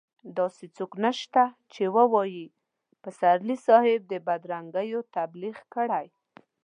داسې څوک نشته چې ووايي پسرلي صاحب د بدرنګيو تبليغ کړی.